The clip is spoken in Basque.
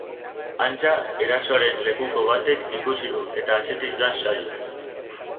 Antza, erasoaren lekuko batek ikusi du, eta atzetik joan zaio.